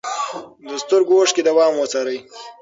د سترګو اوښکې دوام وڅارئ.